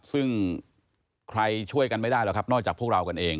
ซึ่งใครช่วยกันไม่ได้หรอกครับนอกจากพวกเรากันเอง